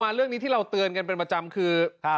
เรื่องนี้ที่เราเตือนกันเป็นประจำคือ